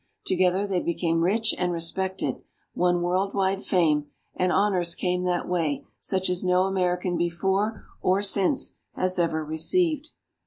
Together they became rich and respected, won world wide fame, and honors came that way such as no American before or since has ever received.